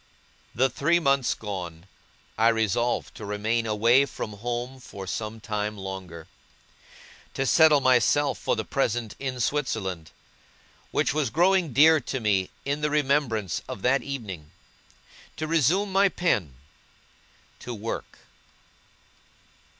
The three months gone, I resolved to remain away from home for some time longer; to settle myself for the present in Switzerland, which was growing dear to me in the remembrance of that evening; to resume my pen; to work.